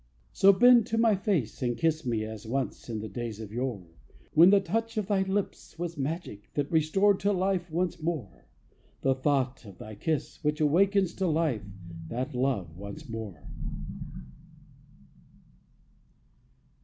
So bend to my face and kiss me As once in the days of yore, When the touch of thy lips was magic That restored to life once more; The thought of thy kiss, which awakens To life that love once more.